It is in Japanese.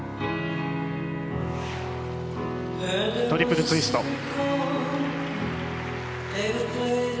トリプルツイスト。